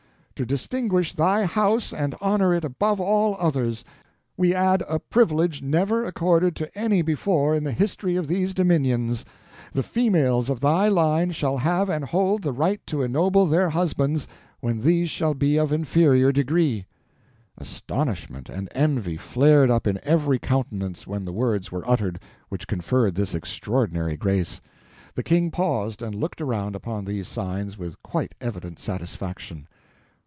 To distinguish thy house and honor it above all others, we add a privilege never accorded to any before in the history of these dominions: the females of thy line shall have and hold the right to ennoble their husbands when these shall be of inferior degree." [Astonishment and envy flared up in every countenance when the words were uttered which conferred this extraordinary grace. The King paused and looked around upon these signs with quite evident satisfaction.